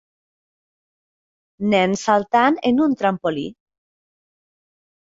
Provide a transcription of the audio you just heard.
Nen saltant en un trampolí